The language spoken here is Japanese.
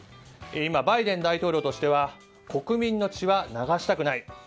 今、バイデン大統領としては国民の血は流したくない。